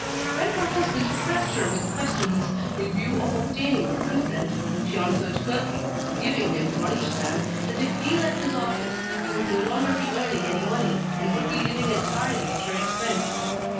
When her husband pressed her with questions in view of obtaining her consent, she answered curtly, giving him to understand that if he left his office, he would no longer be earning any money, and would be living entirely at her expense.